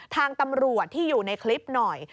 ทางตำรวจที่อยู่ในคลิปหน่อย